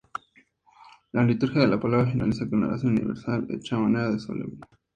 La Liturgia de la Palabra finaliza con la "Oración universal", hecha de manera solemne.